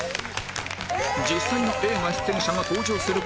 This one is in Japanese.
実際の映画出演者が登場する